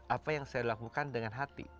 apa yang saya lakukan dengan hati